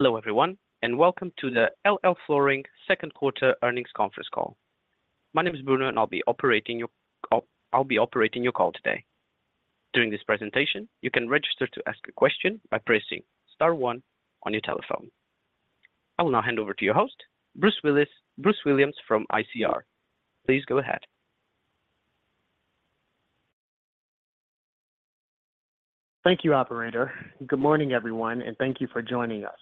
Hello, everyone, and welcome to the LL Flooring second quarter earnings conference call. My name is Bruno, and I'll be operating your call today. During this presentation, you can register to ask a question by pressing star one on your telephone. I will now hand over to your host, Bruce Williams from ICR. Please go ahead. Thank you, operator. Good morning, everyone. Thank you for joining us.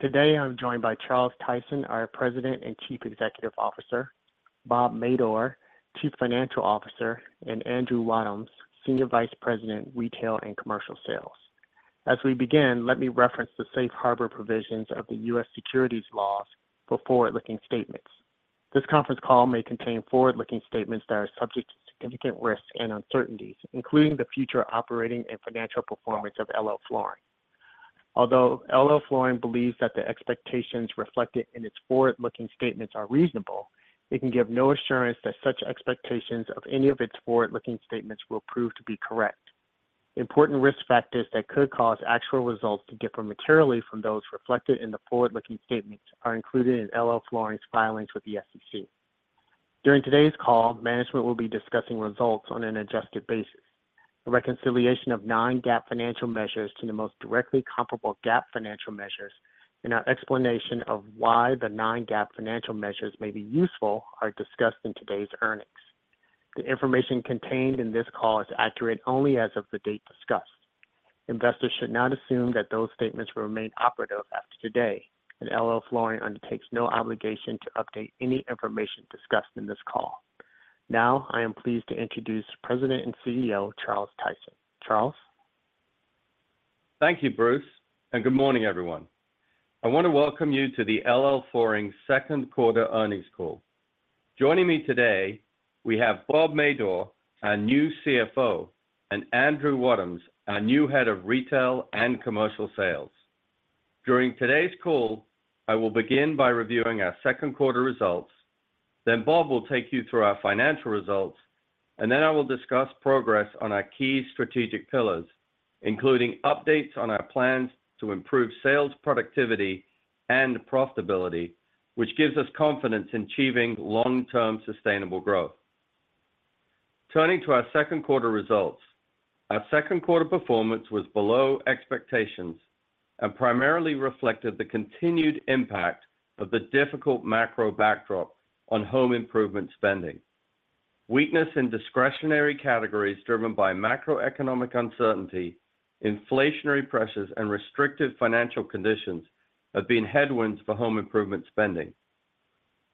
Today, I'm joined by Charles Tyson, our President and Chief Executive Officer, Bob Madore, Chief Financial Officer, and Andrew Wadhams, Senior Vice President, Retail and Commercial Sales. As we begin, let me reference the safe harbor provisions of the U.S. securities laws for forward-looking statements. This conference call may contain forward-looking statements that are subject to significant risks and uncertainties, including the future operating and financial performance of LL Flooring. Although LL Flooring believes that the expectations reflected in its forward-looking statements are reasonable, it can give no assurance that such expectations of any of its forward-looking statements will prove to be correct. Important risk factors that could cause actual results to differ materially from those reflected in the forward-looking statements are included in LL Flooring's filings with the SEC. During today's call, management will be discussing results on an adjusted basis. A reconciliation of non-GAAP financial measures to the most directly comparable GAAP financial measures, and our explanation of why the non-GAAP financial measures may be useful, are discussed in today's earnings. The information contained in this call is accurate only as of the date discussed. Investors should not assume that those statements will remain operative after today, and LL Flooring undertakes no obligation to update any information discussed in this call. Now, I am pleased to introduce President and CEO, Charles Tyson. Charles? Thank you, Bruce, and good morning, everyone. I want to welcome you to the LL Flooring second quarter earnings call. Joining me today, we have Bob Madore, our new CFO, and Andrew Wadhams, our new Head of Retail and Commercial Sales. During today's call, I will begin by reviewing our second quarter results, then Bob will take you through our financial results, then I will discuss progress on our key strategic pillars, including updates on our plans to improve sales, productivity, and profitability, which gives us confidence in achieving long-term sustainable growth. Turning to our second quarter results, our second quarter performance was below expectations and primarily reflected the continued impact of the difficult macro backdrop on home improvement spending. Weakness in discretionary categories driven by macroeconomic uncertainty, inflationary pressures, and restrictive financial conditions have been headwinds for home improvement spending.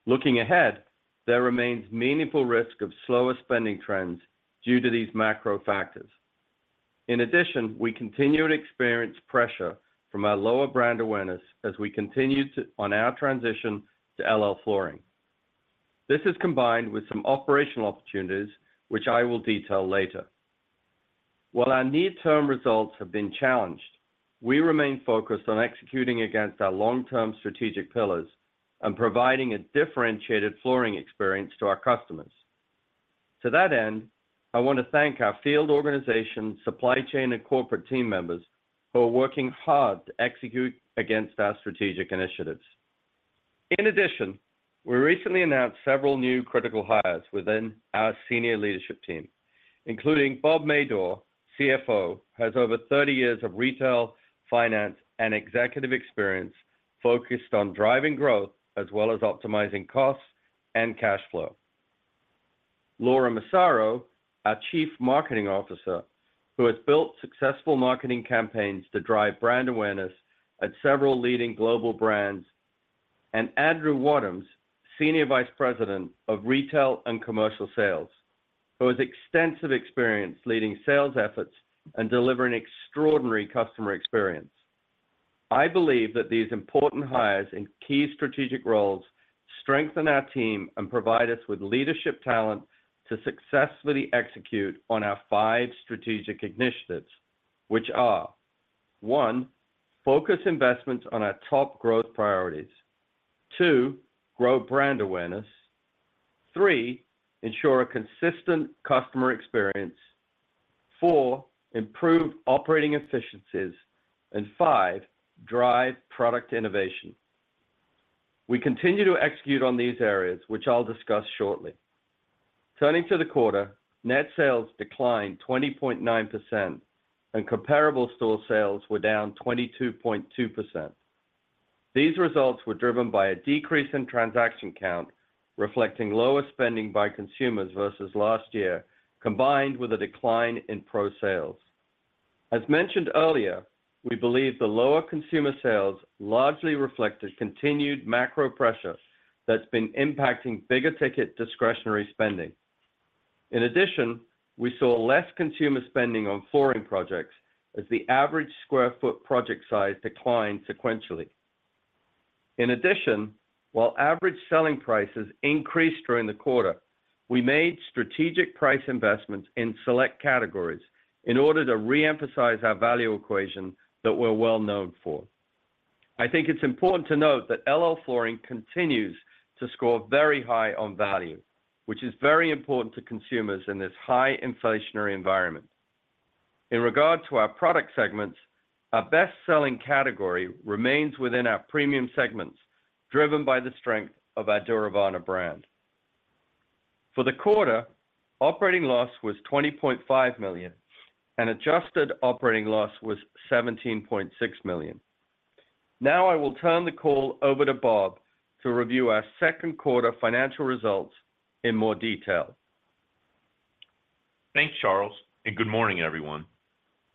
Looking ahead, there remains meaningful risk of slower spending trends due to these macro factors. In addition, we continue to experience pressure from our lower brand awareness as we continue on our transition to LL Flooring. This is combined with some operational opportunities, which I will detail later. While our near-term results have been challenged, we remain focused on executing against our long-term strategic pillars and providing a differentiated flooring experience to our customers. To that end, I want to thank our field organization, supply chain, and corporate team members who are working hard to execute against our strategic initiatives. In addition, we recently announced several new critical hires within our senior leadership team, including Bob Madore, CFO, has over 30 years of retail, finance, and executive experience focused on driving growth as well as optimizing costs and cash flow. Laura Massaro, our Chief Marketing Officer, who has built successful marketing campaigns to drive brand awareness at several leading global brands, and Andrew Wadhams, Senior Vice President of Retail and Commercial Sales, who has extensive experience leading sales efforts and delivering extraordinary customer experience. I believe that these important hires in key strategic roles strengthen our team and provide us with leadership talent to successfully execute on our five strategic initiatives, which are: one, focus investments on our top growth priorities. Two, grow brand awareness. Three, ensure a consistent customer experience. Four, improve operating efficiencies, and five, drive product innovation. We continue to execute on these areas, which I'll discuss shortly. Turning to the quarter, net sales declined 20.9%, and comparable store sales were down 22.2%. These results were driven by a decrease in transaction count, reflecting lower spending by consumers versus last year, combined with a decline in pro sales. As mentioned earlier, we believe the lower consumer sales largely reflected continued macro pressure that's been impacting bigger ticket discretionary spending. In addition, we saw less consumer spending on flooring projects as the average square foot project size declined sequentially. In addition, while average selling prices increased during the quarter, we made strategic price investments in select categories in order to re-emphasize our value equation that we're well known for. I think it's important to note that LL Flooring continues to score very high on value, which is very important to consumers in this high inflationary environment.... In regard to our product segments, our best-selling category remains within our premium segments, driven by the strength of our Duravana brand. For the quarter, operating loss was $20.5 million, and adjusted operating loss was $17.6 million. Now, I will turn the call over to Bob to review our second quarter financial results in more detail. Thanks, Charles. Good morning, everyone.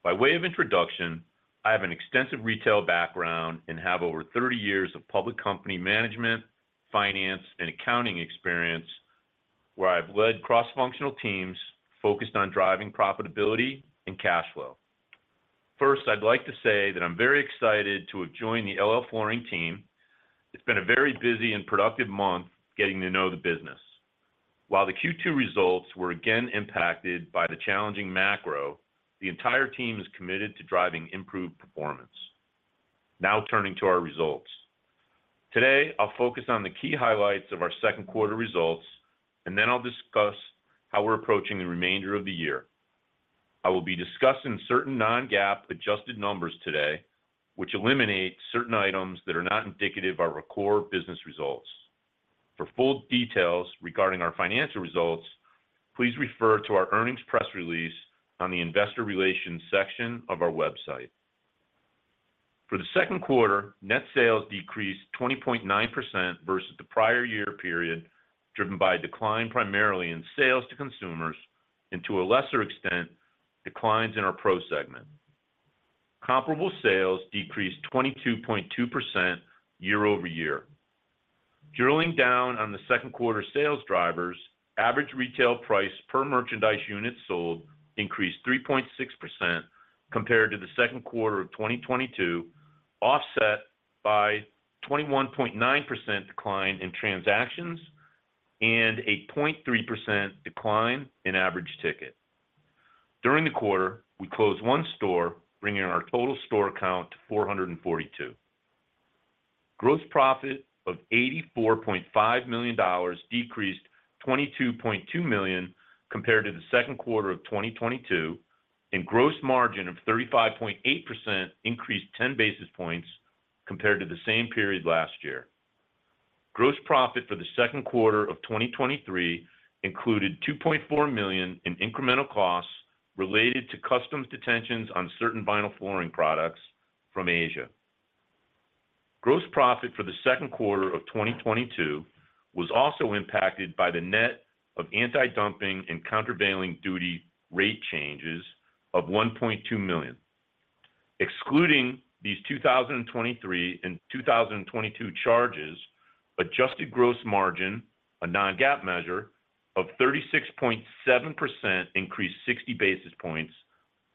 By way of introduction, I have an extensive retail background and have over 30 years of public company management, finance, and accounting experience, where I've led cross-functional teams focused on driving profitability and cash flow. First, I'd like to say that I'm very excited to have joined the LL Flooring team. It's been a very busy and productive month getting to know the business. While the Q2 results were again impacted by the challenging macro, the entire team is committed to driving improved performance. Turning to our results. Today, I'll focus on the key highlights of our second quarter results, and then I'll discuss how we're approaching the remainder of the year. I will be discussing certain non-GAAP adjusted numbers today, which eliminate certain items that are not indicative of our core business results. For full details regarding our financial results, please refer to our earnings press release on the investor relations section of our website. For the second quarter, net sales decreased 20.9% versus the prior year period, driven by a decline primarily in sales to consumers, and to a lesser extent, declines in our pro segment. Comparable sales decreased 22.2% year-over-year. Drilling down on the second quarter sales drivers, average retail price per merchandise unit sold increased 3.6% compared to the second quarter of 2022, offset by 21.9% decline in transactions and a 0.3% decline in average ticket. During the quarter, we closed one store, bringing our total store count to 442. Gross profit of $84.5 million decreased $22.2 million compared to the second quarter of 2022, and gross margin of 35.8% increased 10 basis points compared to the same period last year. Gross profit for the second quarter of 2023 included $2.4 million in incremental costs related to U.S. Customs detentions on certain vinyl flooring products from Asia. Gross profit for the second quarter of 2022 was also impacted by the net of antidumping and countervailing duty rate changes of $1.2 million. Excluding these 2023 and 2022 charges, adjusted gross margin, a non-GAAP measure of 36.7%, increased 60 basis points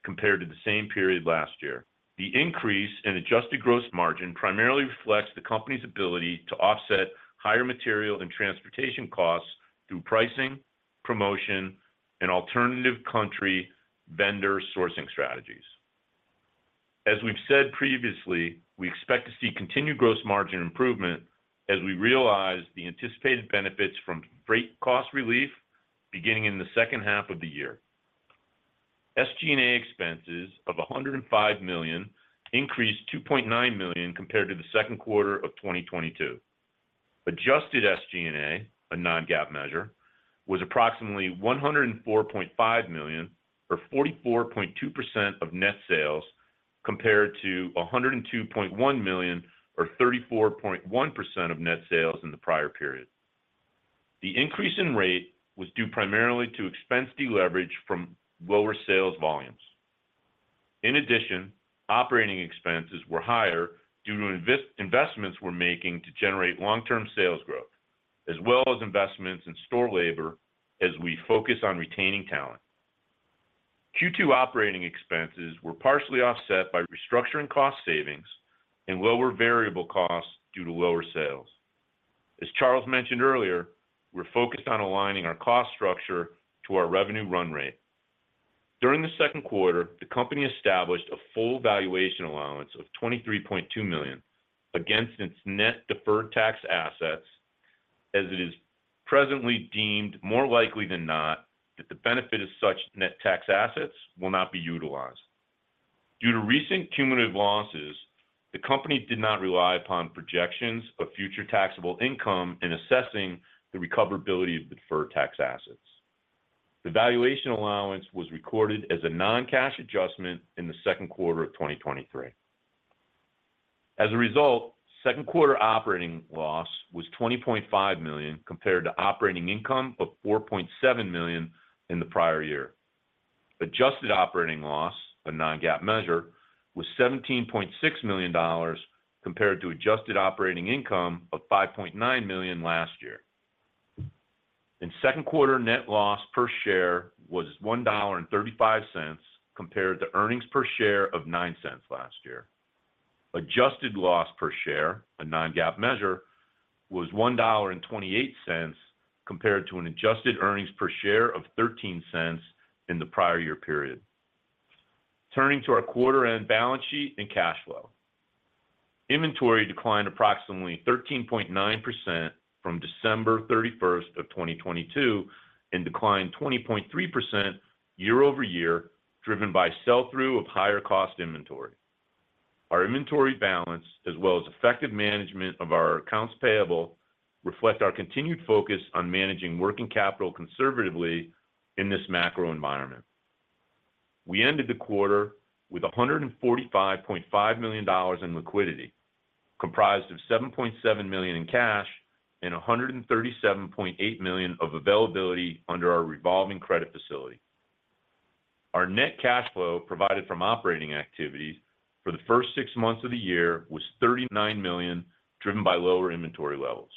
compared to the same period last year. The increase in adjusted gross margin primarily reflects the company's ability to offset higher material and transportation costs through pricing, promotion, and alternative country vendor sourcing strategies. As we've said previously, we expect to see continued gross margin improvement as we realize the anticipated benefits from freight cost relief beginning in the second half of the year. SG&A expenses of $105 million increased $2.9 million compared to the second quarter of 2022. Adjusted SG&A, a non-GAAP measure, was approximately $104.5 million, or 44.2% of net sales, compared to $102.1 million, or 34.1% of net sales in the prior period. The increase in rate was due primarily to expense deleverage from lower sales volumes. In addition, operating expenses were higher due to investments we're making to generate long-term sales growth, as well as investments in store labor as we focus on retaining talent. Q2 operating expenses were partially offset by restructuring cost savings and lower variable costs due to lower sales. As Charles mentioned earlier, we're focused on aligning our cost structure to our revenue run rate. During the second quarter, the company established a full valuation allowance of $23.2 million against its net deferred tax assets, as it is presently deemed more likely than not, that the benefit of such net tax assets will not be utilized. Due to recent cumulative losses, the company did not rely upon projections of future taxable income in assessing the recoverability of deferred tax assets. The valuation allowance was recorded as a non-cash adjustment in the second quarter of 2023. Second quarter operating loss was $20.5 million, compared to operating income of $4.7 million in the prior year. Adjusted operating loss, a non-GAAP measure, was $17.6 million, compared to adjusted operating income of $5.9 million last year. In second quarter, net loss per share was $1.35, compared to earnings per share of $0.09 last year. Adjusted loss per share, a non-GAAP measure, was $1.28, compared to an adjusted earnings per share of $0.13 in the prior year period. Turning to our quarter-end balance sheet and cash flow. Inventory declined approximately 13.9% from December 31st of 2022, and declined 20.3% year-over-year, driven by sell-through of higher cost inventory. Our inventory balance, as well as effective management of our accounts payable, reflect our continued focus on managing working capital conservatively in this macro environment. We ended the quarter with $145.5 million in liquidity, comprised of $7.7 million in cash and $137.8 million of availability under our revolving credit facility. Our net cash flow provided from operating activities for the first six months of the year was $39 million, driven by lower inventory levels.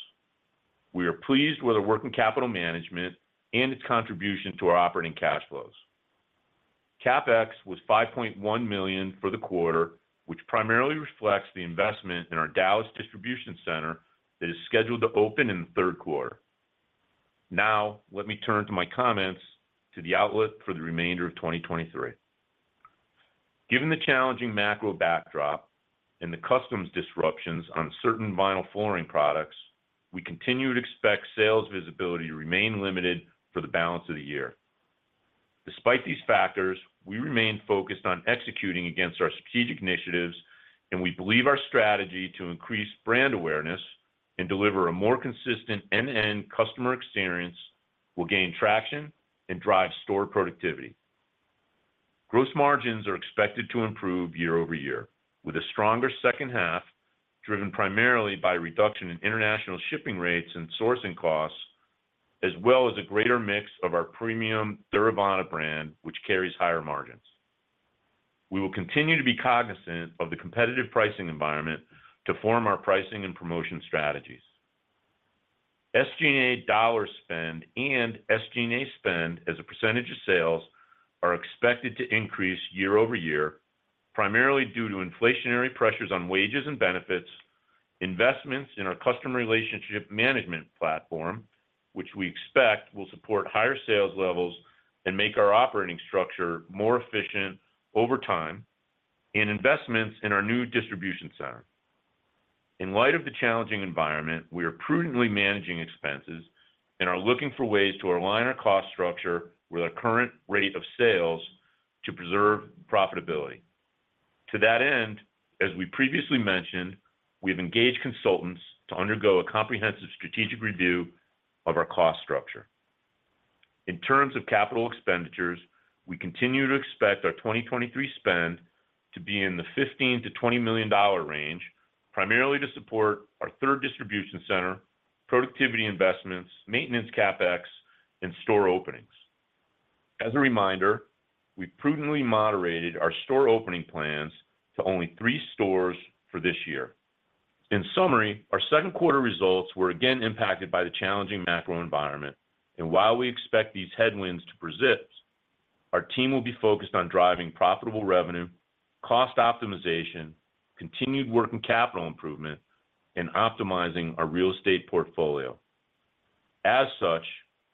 We are pleased with our working capital management and its contribution to our operating cash flows. CapEx was $5.1 million for the quarter, which primarily reflects the investment in our Dallas distribution center that is scheduled to open in the third quarter. Let me turn to my comments to the outlet for the remainder of 2023. Given the challenging macro backdrop and the customs disruptions on certain vinyl flooring products, we continue to expect sales visibility to remain limited for the balance of the year. Despite these factors, we remain focused on executing against our strategic initiatives, and we believe our strategy to increase brand awareness and deliver a more consistent end-to-end customer experience will gain traction and drive store productivity. Gross margins are expected to improve year-over-year, with a stronger second half, driven primarily by reduction in international shipping rates and sourcing costs, as well as a greater mix of our premium Duravana brand, which carries higher margins. We will continue to be cognizant of the competitive pricing environment to form our pricing and promotion strategies. SG&A dollar spend and SG&A spend as a percentage of sales, are expected to increase year-over-year, primarily due to inflationary pressures on wages and benefits, investments in our customer relationship management platform, which we expect will support higher sales levels and make our operating structure more efficient over time, and investments in our new distribution center. In light of the challenging environment, we are prudently managing expenses and are looking for ways to align our cost structure with our current rate of sales to preserve profitability. To that end, as we previously mentioned, we've engaged consultants to undergo a comprehensive strategic review of our cost structure. In terms of capital expenditures, we continue to expect our 2023 spend to be in the $15 million-$20 million range, primarily to support our third distribution center, productivity investments, maintenance CapEx, and store openings. As a reminder, we prudently moderated our store opening plans to only three stores for this year. In summary, our second quarter results were again impacted by the challenging macro environment, and while we expect these headwinds to persist, our team will be focused on driving profitable revenue, cost optimization, continued working capital improvement, and optimizing our real estate portfolio. As such,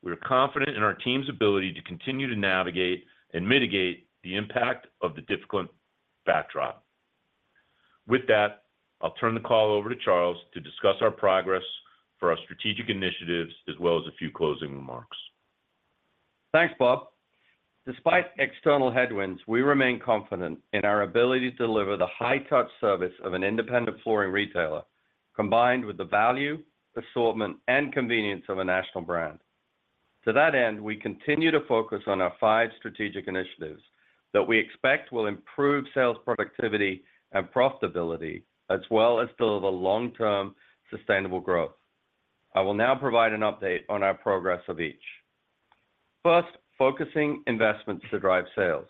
we are confident in our team's ability to continue to navigate and mitigate the impact of the difficult backdrop. With that, I'll turn the call over to Charles to discuss our progress for our strategic initiatives as well as a few closing remarks. Thanks, Bob. Despite external headwinds, we remain confident in our ability to deliver the high touch service of an independent flooring retailer, combined with the value, assortment, and convenience of a national brand. To that end, we continue to focus on our five strategic initiatives that we expect will improve sales, productivity, and profitability, as well as deliver long-term sustainable growth. I will now provide an update on our progress of each. First, focusing investments to drive sales.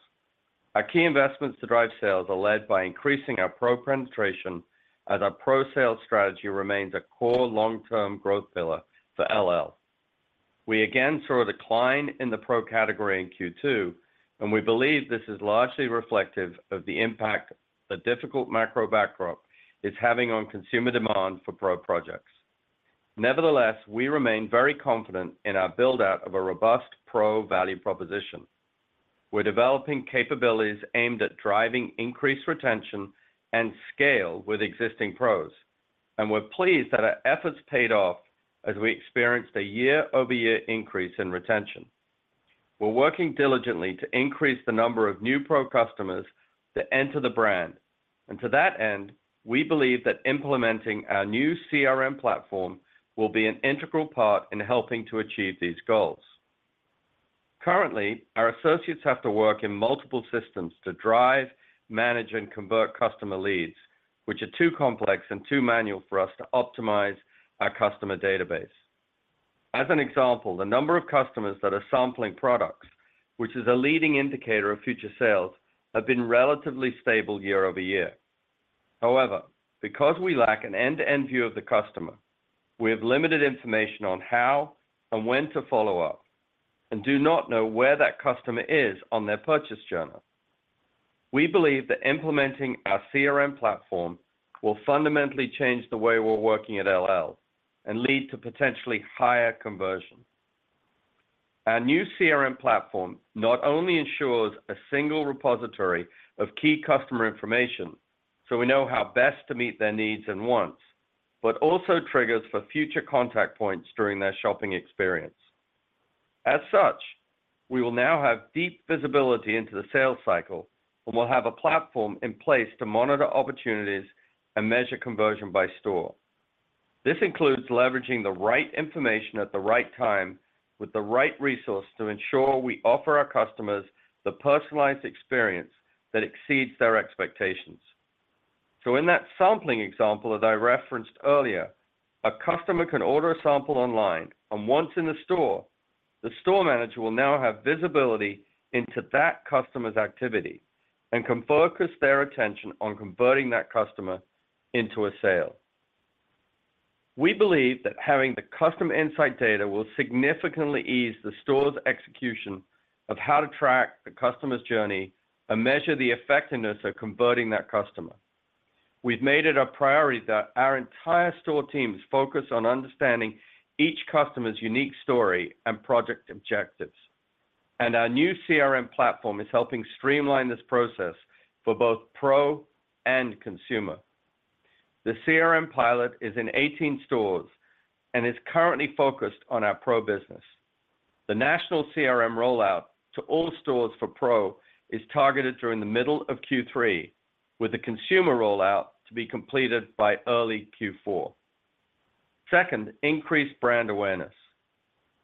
Our key investments to drive sales are led by increasing our pro penetration, as our pro sales strategy remains a core long-term growth pillar for LL. We again saw a decline in the pro category in Q2, and we believe this is largely reflective of the impact the difficult macro backdrop is having on consumer demand for pro projects. Nevertheless, we remain very confident in our build-out of a robust pro value proposition. We're developing capabilities aimed at driving increased retention and scale with existing pros, and we're pleased that our efforts paid off as we experienced a year-over-year increase in retention. We're working diligently to increase the number of new pro customers that enter the brand, and to that end, we believe that implementing our new CRM platform will be an integral part in helping to achieve these goals. Currently, our associates have to work in multiple systems to drive, manage, and convert customer leads, which are too complex and too manual for us to optimize our customer database. As an example, the number of customers that are sampling products, which is a leading indicator of future sales, have been relatively stable year-over-year. However, because we lack an end-to-end view of the customer, we have limited information on how and when to follow up and do not know where that customer is on their purchase journey. We believe that implementing our CRM platform will fundamentally change the way we're working at LL, and lead to potentially higher conversion. Our new CRM platform not only ensures a single repository of key customer information, so we know how best to meet their needs and wants, but also triggers for future contact points during their shopping experience. As such, we will now have deep visibility into the sales cycle, and we'll have a platform in place to monitor opportunities and measure conversion by store. This includes leveraging the right information at the right time, with the right resource to ensure we offer our customers the personalized experience that exceeds their expectations. In that sampling example that I referenced earlier, a customer can order a sample online, and once in the store, the store manager will now have visibility into that customer's activity and can focus their attention on converting that customer into a sale. We believe that having the customer insight data will significantly ease the store's execution of how to track the customer's journey and measure the effectiveness of converting that customer. We've made it a priority that our entire store team is focused on understanding each customer's unique story and project objectives, and our new CRM platform is helping streamline this process for both pro and consumer. The CRM pilot is in 18 stores and is currently focused on our pro business. The national CRM rollout to all stores for pro is targeted during the middle of Q3, with the consumer rollout to be completed by early Q4. Second, increased brand awareness.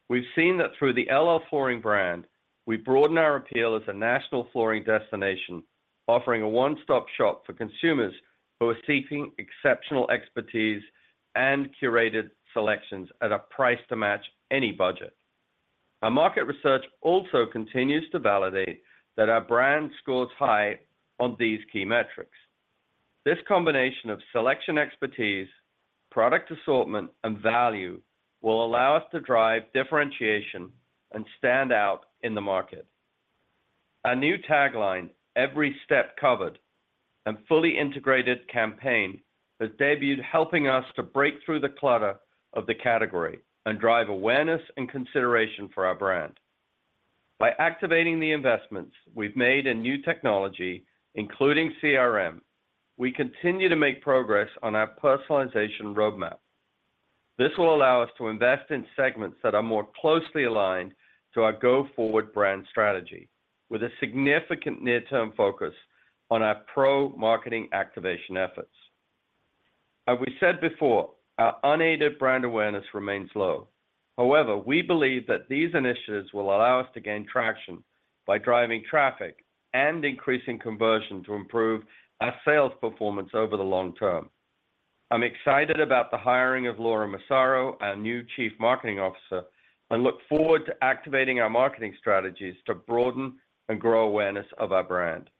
We've seen that through the LL Flooring brand, we broaden our appeal as a national flooring destination, offering a one-stop-shop for consumers who are seeking exceptional expertise and curated selections at a price to match any budget. Our market research also continues to validate that our brand scores high on these key metrics. This combination of selection expertise, product assortment, and value will allow us to drive differentiation and stand out in the market. Our new tagline, "Every Step Covered" and fully integrated campaign, has debuted, helping us to break through the clutter of the category and drive awareness and consideration for our brand. By activating the investments we've made in new technology, including CRM, we continue to make progress on our personalization roadmap. This will allow us to invest in segments that are more closely aligned to our go-forward brand strategy, with a significant near-term focus on our pro-marketing activation efforts. As we said before, our unaided brand awareness remains low. However, we believe that these initiatives will allow us to gain traction by driving traffic and increasing conversion to improve our sales performance over the long term. I'm excited about the hiring of Laura Massaro, our new Chief Marketing Officer, and look forward to activating our marketing strategies to broaden and grow awareness of our brand.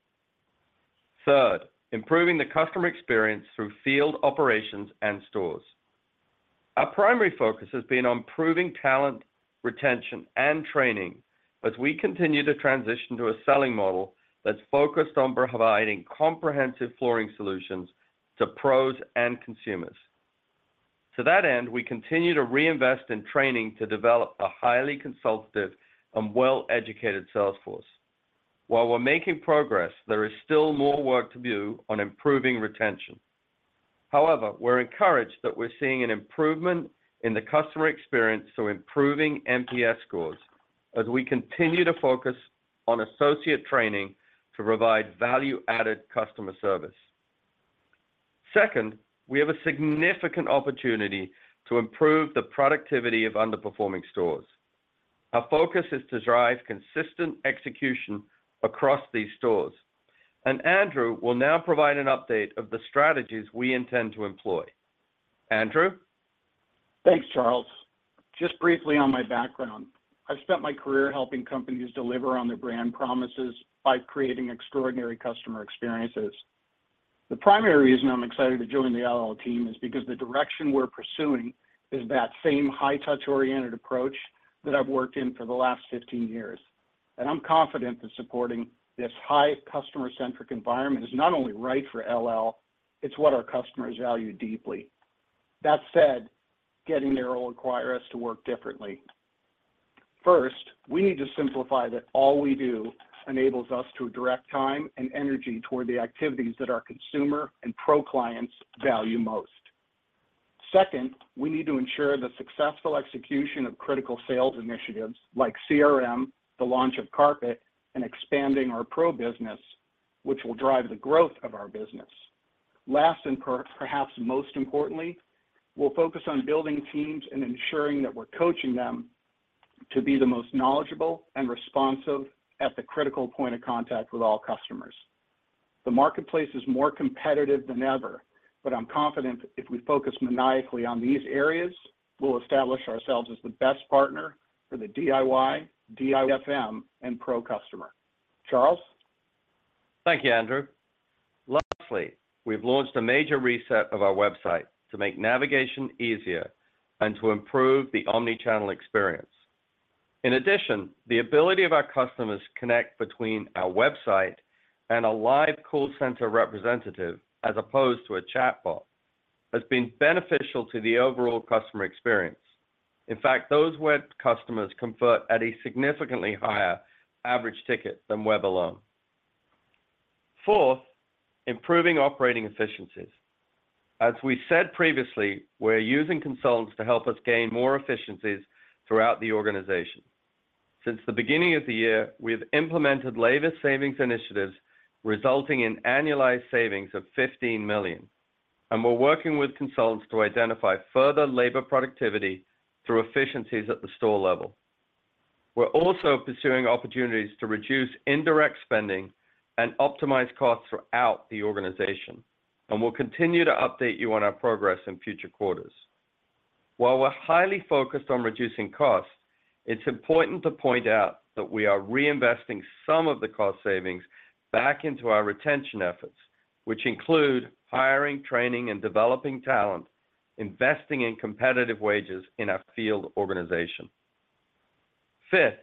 Third, improving the customer experience through field operations and stores. Our primary focus has been on improving talent, retention, and training as we continue to transition to a selling model that's focused on providing comprehensive flooring solutions to pros and consumers. To that end, we continue to reinvest in training to develop a highly consultative and well-educated sales force. While we're making progress, there is still more work to do on improving retention. However, we're encouraged that we're seeing an improvement in the customer experience through improving NPS scores as we continue to focus on associate training to provide value-added customer service. Second, we have a significant opportunity to improve the productivity of underperforming stores. Our focus is to drive consistent execution across these stores, and Andrew will now provide an update of the strategies we intend to employ. Andrew? Thanks, Charles. Just briefly on my background, I've spent my career helping companies deliver on their brand promises by creating extraordinary customer experiences. The primary reason I'm excited to join the LL team is because the direction we're pursuing is that same high touch-oriented approach that I've worked in for the last 15 years. I'm confident that supporting this high customer-centric environment is not only right for LL, it's what our customers value deeply. That said, getting there will require us to work differently. First, we need to simplify that all we do enables us to direct time and energy toward the activities that our consumer and pro clients value most. Second, we need to ensure the successful execution of critical sales initiatives like CRM, the launch of carpet, and expanding our pro business, which will drive the growth of our business. Last, perhaps most importantly, we'll focus on building teams and ensuring that we're coaching them to be the most knowledgeable and responsive at the critical point of contact with all customers. The marketplace is more competitive than ever, but I'm confident if we focus maniacally on these areas, we'll establish ourselves as the best partner for the DIY, DIFM, and pro customer. Charles? Thank you, Andrew. In addition, the ability of our customers connect between our website and a live call center representative, as opposed to a chatbot, has been beneficial to the overall customer experience. In fact, those web customers convert at a significantly higher average ticket than web alone. Fourth, improving operating efficiencies. As we said previously, we're using consultants to help us gain more efficiencies throughout the organization. Since the beginning of the year, we have implemented labor savings initiatives, resulting in annualized savings of $15 million, and we're working with consultants to identify further labor productivity through efficiencies at the store level. We're also pursuing opportunities to reduce indirect spending and optimize costs throughout the organization, and we'll continue to update you on our progress in future quarters. While we're highly focused on reducing costs, it's important to point out that we are reinvesting some of the cost savings back into our retention efforts, which include hiring, training, and developing talent, investing in competitive wages in our field organization. Fifth,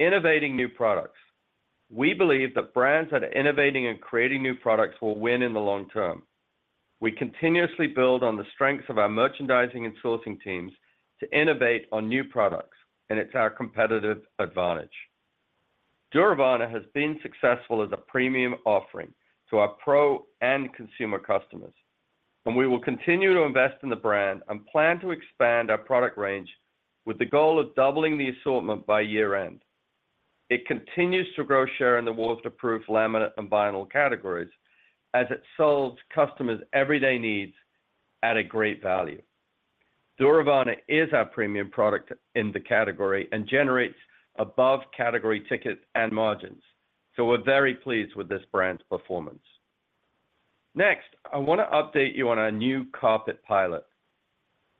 innovating new products. We believe that brands that are innovating and creating new products will win in the long term. We continuously build on the strengths of our merchandising and sourcing teams to innovate on new products, and it's our competitive advantage. Duravana has been successful as a premium offering to our pro and consumer customers, and we will continue to invest in the brand and plan to expand our product range with the goal of doubling the assortment by year-end. It continues to grow share in the water-proof, laminate, and vinyl categories as it solves customers' everyday needs at a great value. Duravana is our premium product in the category and generates above-category tickets and margins. We're very pleased with this brand's performance. Next, I want to update you on our new carpet pilot.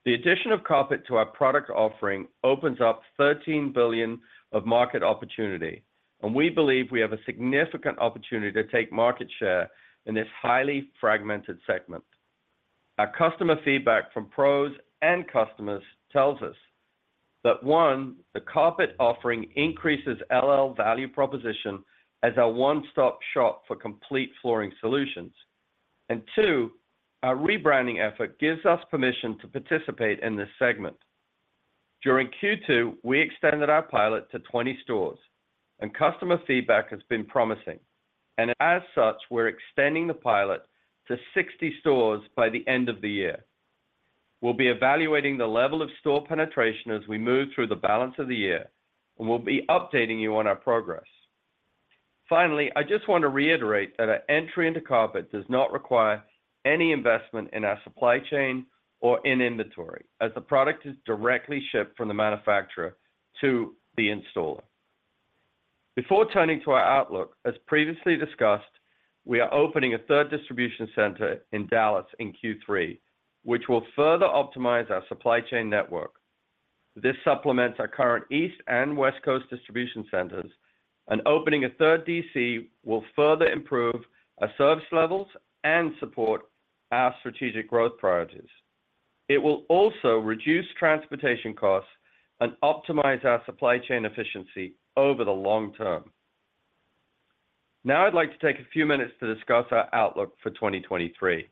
The addition of carpet to our product offering opens up $13 billion of market opportunity. We believe we have a significant opportunity to take market share in this highly fragmented segment. Our customer feedback from pros and customers tells us that, one, the carpet offering increases LL value proposition as our one-stop shop for complete flooring solutions, and two, our rebranding effort gives us permission to participate in this segment. During Q2, we extended our pilot to 20 stores. Customer feedback has been promising. As such, we're extending the pilot to 60 stores by the end of the year. We'll be evaluating the level of store penetration as we move through the balance of the year, and we'll be updating you on our progress. Finally, I just want to reiterate that our entry into carpet does not require any investment in our supply chain or in inventory, as the product is directly shipped from the manufacturer to the installer. Before turning to our outlook, as previously discussed, we are opening a third distribution center in Dallas in Q3, which will further optimize our supply chain network. This supplements our current East and West Coast distribution centers, and opening a third DC will further improve our service levels and support our strategic growth priorities. It will also reduce transportation costs and optimize our supply chain efficiency over the long term. Now, I'd like to take a few minutes to discuss our outlook for 2023.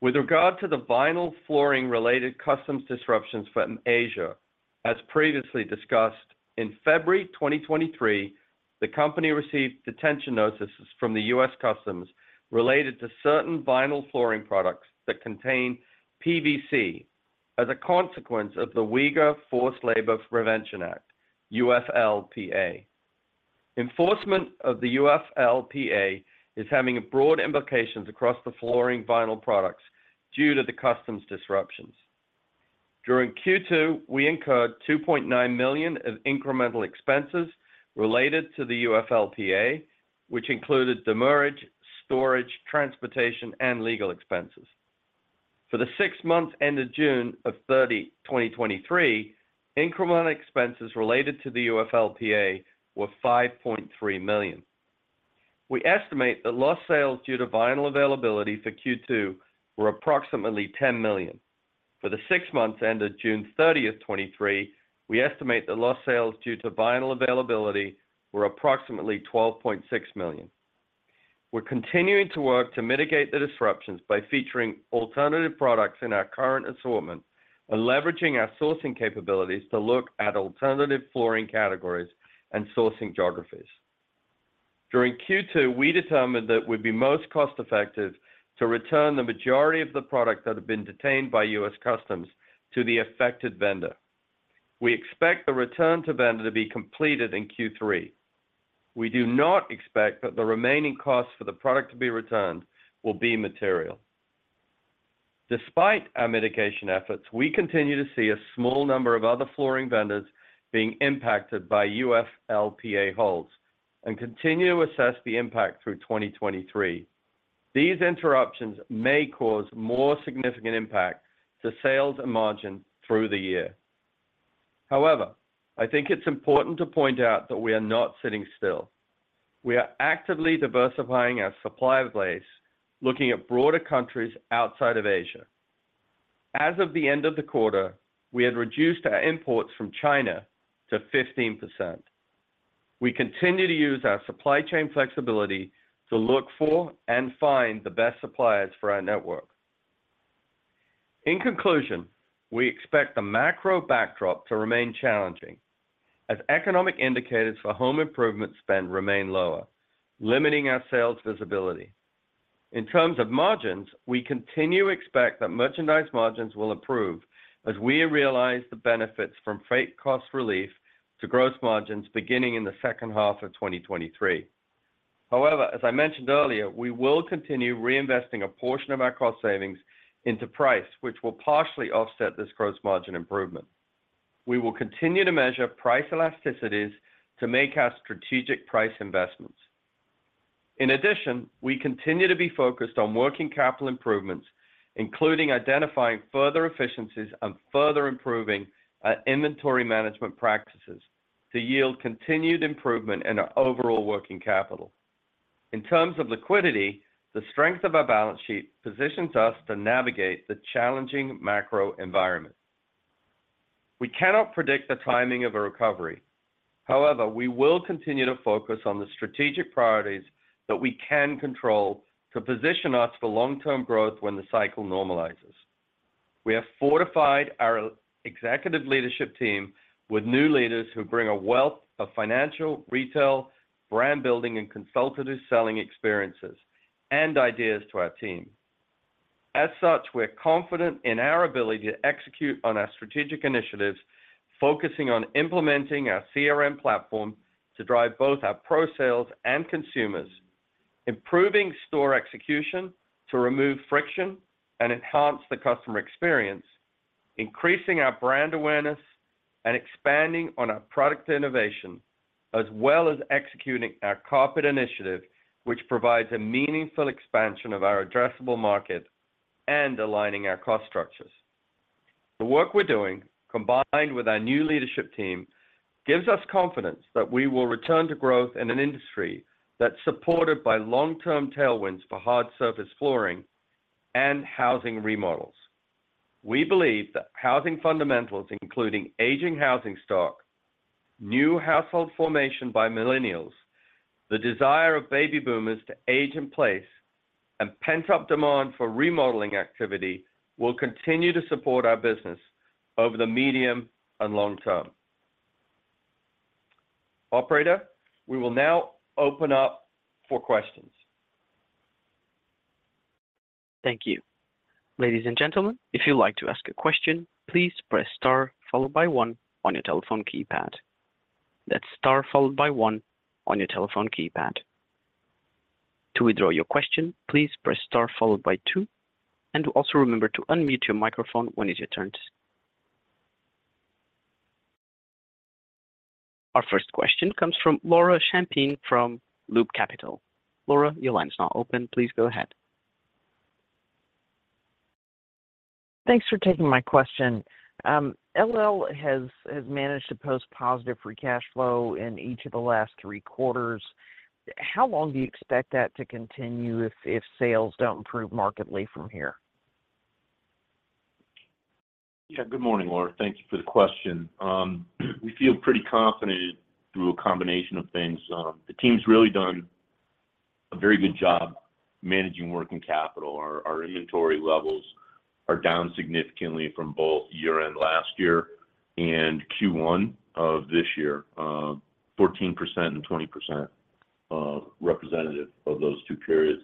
With regard to the vinyl flooring-related customs disruptions from Asia, as previously discussed, in February 2023, the Company received detention notices from the U.S. Customs related to certain vinyl flooring products that contain PVC as a consequence of the Uyghur Forced Labor Prevention Act, UFLPA. Enforcement of the UFLPA is having a broad implications across the flooring vinyl products due to the customs disruptions. During Q2, we incurred $2.9 million of incremental expenses related to the UFLPA, which included demurrage, storage, transportation, and legal expenses. For the six months ended June 30, 2023, incremental expenses related to the UFLPA were $5.3 million. We estimate that lost sales due to vinyl availability for Q2 were approximately $10 million. For the six months ended June 30th, 2023, we estimate the lost sales due to vinyl availability were approximately $12.6 million. We're continuing to work to mitigate the disruptions by featuring alternative products in our current assortment and leveraging our sourcing capabilities to look at alternative flooring categories and sourcing geographies. During Q2, we determined that it would be most cost-effective to return the majority of the products that have been detained by U.S. Customs to the affected vendor. We expect the return to vendor to be completed in Q3. We do not expect that the remaining costs for the product to be returned will be material. Despite our mitigation efforts, we continue to see a small number of other flooring vendors being impacted by UFLPA holds and continue to assess the impact through 2023. These interruptions may cause more significant impact to sales and margin through the year. However, I think it's important to point out that we are not sitting still. We are actively diversifying our supplier base, looking at broader countries outside of Asia. As of the end of the quarter, we had reduced our imports from China to 15%. We continue to use our supply chain flexibility to look for and find the best suppliers for our network. In conclusion, we expect the macro backdrop to remain challenging as economic indicators for home improvement spend remain lower, limiting our sales visibility. In terms of margins, we continue to expect that merchandise margins will improve as we realize the benefits from freight cost relief to gross margins beginning in the second half of 2023. However, as I mentioned earlier, we will continue reinvesting a portion of our cost savings into price, which will partially offset this gross margin improvement. We will continue to measure price elasticities to make our strategic price investments. In addition, we continue to be focused on working capital improvements, including identifying further efficiencies and further improving our inventory management practices to yield continued improvement in our overall working capital. In terms of liquidity, the strength of our balance sheet positions us to navigate the challenging macro environment. We cannot predict the timing of a recovery. However, we will continue to focus on the strategic priorities that we can control to position us for long-term growth when the cycle normalizes. We have fortified our executive leadership team with new leaders who bring a wealth of financial, retail, brand building, and consultative selling experiences and ideas to our team. As such, we're confident in our ability to execute on our strategic initiatives, focusing on implementing our CRM platform to drive both our pro sales and consumers, improving store execution to remove friction and enhance the customer experience, increasing our brand awareness, and expanding on our product innovation, as well as executing our carpet initiative, which provides a meaningful expansion of our addressable market and aligning our cost structures. The work we're doing, combined with our new leadership team, gives us confidence that we will return to growth in an industry that's supported by long-term tailwinds for hard-surface flooring and housing remodels. We believe that housing fundamentals, including aging housing stock, new household formation by millennials, the desire of baby boomers to age in place, and pent-up demand for remodeling activity, will continue to support our business over the medium and long term. Operator, we will now open up for questions. Thank you. Ladies and gentlemen, if you'd like to ask a question, please press Star followed by one on your telephone keypad. That's star followed by one on your telephone keypad. To withdraw your question, please press star followed by two, and also remember to unmute your microphone when it is your turn. Our first question comes from Laura Champine from Loop Capital. Laura, your line is now open. Please go ahead. Thanks for taking my question. LL has managed to post positive free cash flow in each of the last three quarters. How long do you expect that to continue if sales don't improve markedly from here? Yeah, good morning, Laura. Thank you for the question. We feel pretty confident through a combination of things. The team's really done a very good job managing working capital. Our inventory levels are down significantly from both year-end last year and Q1 of this year, 14% and 20% representative of those two periods.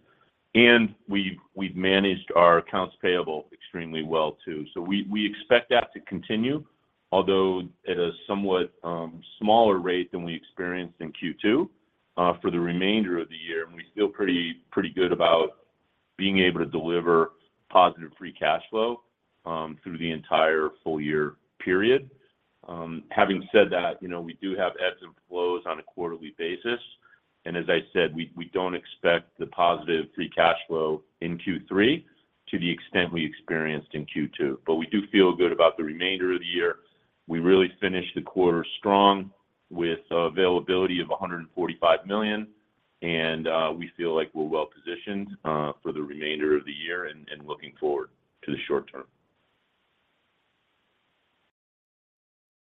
We've managed our accounts payable extremely well, too. We expect that to continue, although at a somewhat smaller rate than we experienced in Q2 for the remainder of the year. We feel pretty, pretty good about being able to deliver positive free cash flow through the entire full year period. Having said that, you know, we do have ebbs and flows on a quarterly basis, and as I said, we don't expect the positive free cash flow in Q3 to the extent we experienced in Q2. We do feel good about the remainder of the year. We really finished the quarter strong with availability of $145 million, and we feel like we're well positioned for the remainder of the year and, and looking forward to the short term.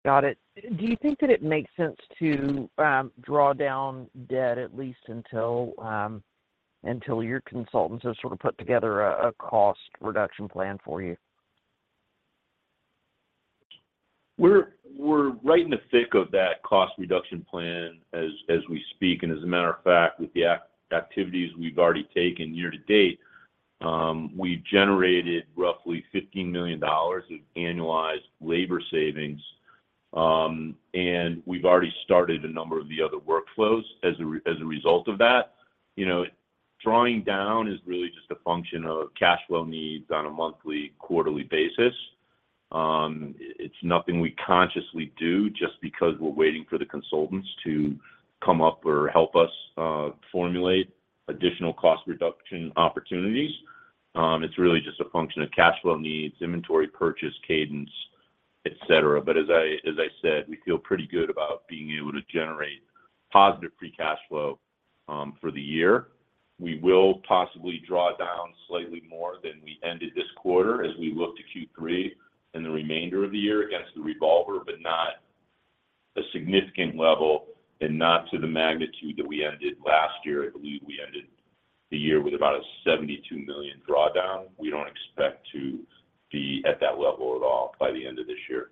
Got it. Do you think that it makes sense to draw down debt, at least until until your consultants have sort of put together a, a cost reduction plan for you? We're, we're right in the thick of that cost reduction plan as, as we speak. As a matter of fact, with the activities we've already taken year to date, we've generated roughly $15 million of annualized labor savings, and we've already started a number of the other workflows as a result of that. You know, drawing down is really just a function of cash flow needs on a monthly, quarterly basis. It's nothing we consciously do just because we're waiting for the consultants to come up or help us formulate additional cost reduction opportunities. It's really just a function of cash flow needs, inventory, purchase, cadence, et cetera. As I, as I said, we feel pretty good about being able to generate positive free cash flow for the year. We will possibly draw down slightly more than we ended this quarter as we look to Q3 and the remainder of the year against the revolver, but not a significant level and not to the magnitude that we ended last year. I believe we ended the year with about a $72 million drawdown. We don't expect to be at that level at all by the end of this year.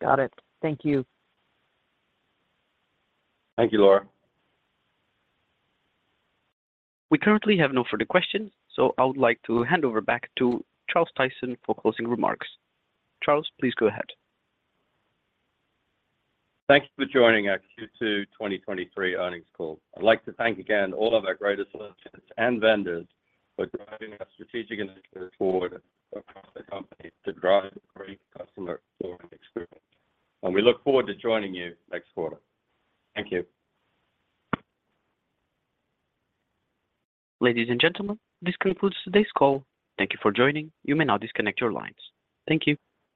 Got it. Thank you. Thank you, Laura. We currently have no further questions, so I would like to hand over back to Charles Tyson for closing remarks. Charles, please go ahead. Thank you for joining our Q2 2023 earnings call. I'd like to thank again all of our great associates and vendors for driving our strategic initiatives forward across the company to drive great customer experience. We look forward to joining you next quarter. Thank you. Ladies and gentlemen, this concludes today's call. Thank you for joining. You may now disconnect your lines. Thank you.